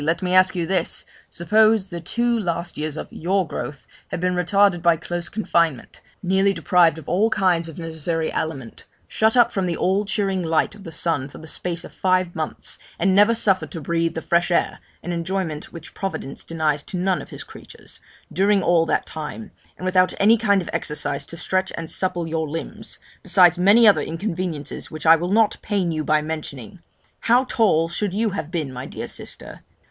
let me ask you this suppose the two last years of your growth had been retarded by close confinement nearly deprived of all kinds of necessary aliment shut up from the all cheering light of the sun for the space of five months, and never suffered to breathe the fresh air (an enjoyment which Providence denies to none of His creatures) during all that time and without any kind of exercise to stretch and supple your limbs besides many other inconveniences which I will not pain you by mentioning how tall should you have been, my dear sister?